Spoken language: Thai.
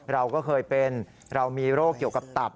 เราก็เคยเป็นเรามีโรคเกี่ยวกับตับ